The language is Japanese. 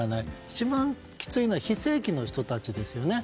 一番きついのは非正規の人たちですよね。